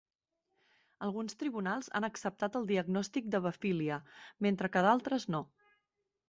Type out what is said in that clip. Alguns tribunals han acceptat el diagnòstic d'hebefília, mentre que d'altres, no.